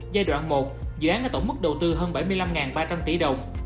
giai đoạn một dự án có tổng mức đầu tư hơn bảy mươi năm ba trăm linh tỷ đồng